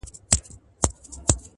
خدایه ملیار مي له ګلونو سره لوبي کوي!